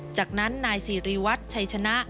จากนั้นนายสิริวัตรชัยชนะ